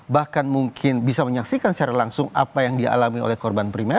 bahkan mungkin bisa menyaksikan secara langsung apa yang dialami oleh korban primer